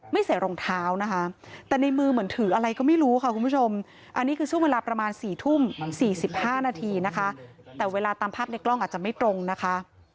มี๑๕นาทีนะคะแต่เวลาตามภาพในกล้องอาจจะไม่ตรงนะคะ